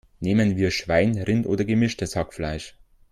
Nehmen wir Schwein, Rind oder gemischtes Hackfleisch?